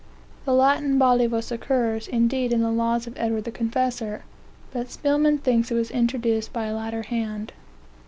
The Latin ballivus occurs, indeed, in the laws of Edward the Confessor, but Spelman thinks it was introduced by a later hand.